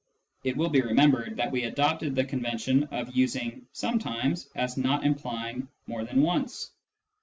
(It will be remembered that we adopted the convention of using " sometimes " as not implying more than once.)